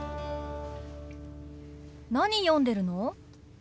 何読んでるの？